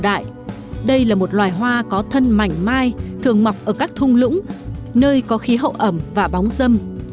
cây hoa chuông là một loài hoa có thân mảnh mai thường mọc ở các thung lũng nơi có khí hậu ẩm và bóng dâm